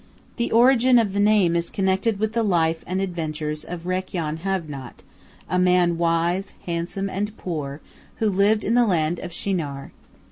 The origin of the name is connected with the life and adventures of Rakyon, Have naught, a man wise, handsome, and poor, who lived in the land of Shinar.